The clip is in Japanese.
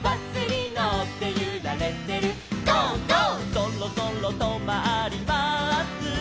「そろそろとまります」